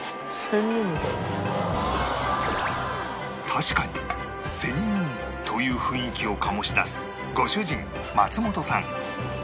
確かに仙人という雰囲気を醸し出すご主人松本さん